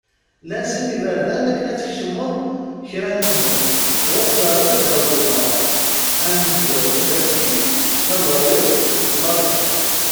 Llan sin iberdan akken ad tkecmeḍ kra n tmurt u ad tt-terreḍ ddaw uḍar : amenzu, d asekkin ; ma d wayeḍ, d ṭṭlaba.